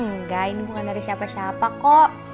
enggak ini bukan dari siapa siapa kok